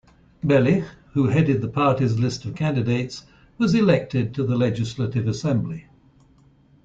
Belykh, who headed the party's list of candidates, was elected to the Legislative Assembly.